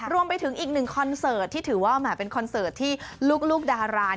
รวมไปถึงอีก๑คอนเสิร์ตถือว่ามันบนคอนเสิร์ตที่ลูกดารา